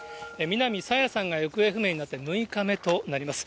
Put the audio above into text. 南朝芽さんが行方不明になって６日目となります。